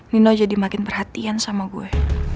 nino jadi makin perhatian sama gue